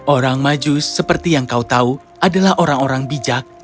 orang maju seperti yang kau tahu adalah orang orang bijak